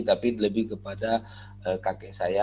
tapi lebih kepada kakek saya